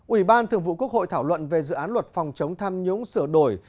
ủy ban thường vụ quốc hội thảo luận về dự án luật phòng chống tham nhũng sửa đổi